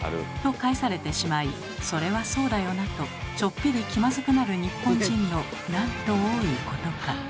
と返されてしまい「それはそうだよな」とちょっぴり気まずくなる日本人のなんと多いことか。